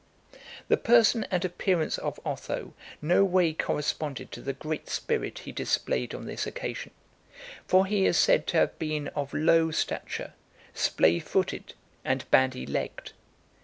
XII. The person and appearance of Otho no way corresponded to the great spirit he displayed on this occasion; for he is said to have been of low stature, splay footed, and bandy legged.